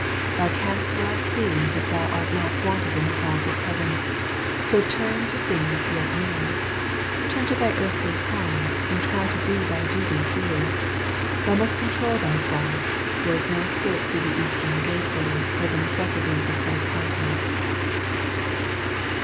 Thou canst well see that thou art not wanted in the Halls of Heaven; so turn to things yet near; turn to thy earthly home and try to do thy duty here. Thou must control thyself, there is no escape through the Eastern Gateway for the necessity of self conquest."